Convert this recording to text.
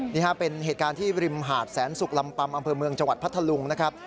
นี่ฮะเป็นเหตุการณ์ที่ริมหาดแสนสุกลำปัมอำเภอเมืองจังหวัดพัทธลุงนะครับ